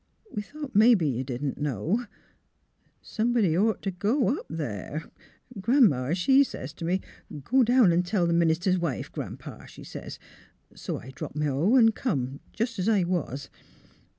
We thought mebbe you didn't know. Somebody 'd ought t' go up there. Gran 'ma she sez t' me, ' Go down an' tell th' minister's wife. Gran 'pa? ' she seiz. So I dropped m' hoe an' come, jus' 's I was.